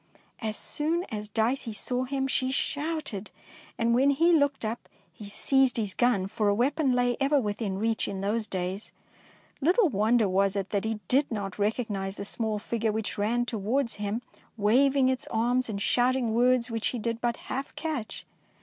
As soon as Dicey saw him, she shouted, and when he looked up, he seized his gun, for a weapon lay e^er within reach in those days. Little wonder was it that he did not recog nise the small figure which ran towards him waving its arms and shouting words which he did but half catch.